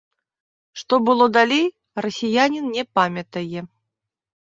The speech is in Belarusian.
Што было далей, расіянін не памятае.